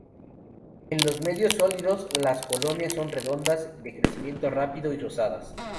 En los medios sólidos, las colonias son redondas, de crecimiento rápido y rosadas.